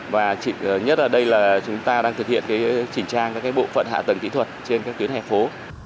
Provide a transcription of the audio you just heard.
và nhất ở đây là chúng ta đang thực hiện chỉnh trang các bộ phận hạ tầng kỹ thuật trên các tuyến hẹp phố